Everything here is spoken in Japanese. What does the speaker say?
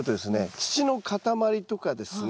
土の塊とかですね